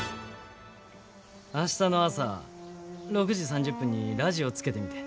明日の朝６時３０分にラジオつけてみて。